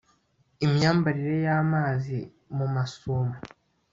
imyambarire y'amazi mu masumo